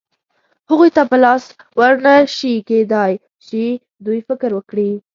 هغوی ته په لاس ور نه شي، کېدای شي دوی فکر وکړي.